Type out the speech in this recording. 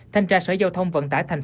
thanh tra sở giao thông vận tải tp hcm